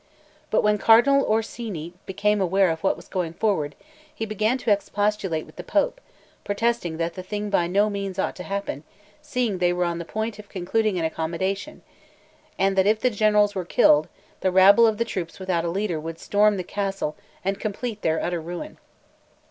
But when Cardinal Orsini became aware of what was going forward, he began to expostulate with the Pope, protesting that the thing by no means ought to happen, seeing they were on the point of concluding an accommodation, and that if the generals were killed, the rabble of the troops without a leader would storm the castle and complete their utter ruin.